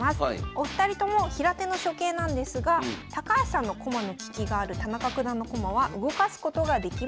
お二人とも平手の初形なんですが高橋さんの駒の利きがある田中九段の駒は動かすことができません。